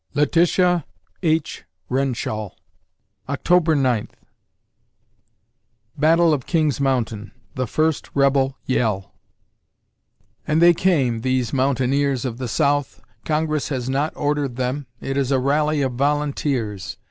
LETITIA H. WRENSHALL October Ninth BATTLE OF KING'S MOUNTAIN: THE FIRST REBEL YELL And they came, these mountaineers of the South. Congress has not ordered them; it is a rally of volunteers....